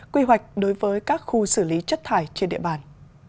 quy hoạch đối với các khu xử lý chất thải trên địa bàn